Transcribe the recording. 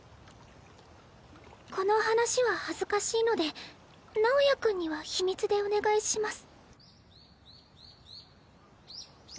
この話は恥ずかしいので直也君には秘密でお願いします。